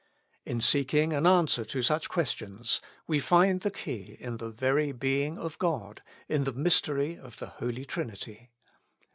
In seeking an answer to such questions, we find the key in the very being of God, in the mystery of the Holy Trinity.